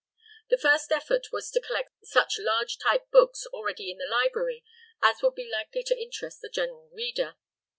The first effort was to collect such large type books, already in the library, as would be likely to interest the general reader.